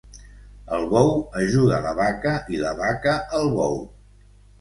El bou ajuda la vaca i la vaca el bou.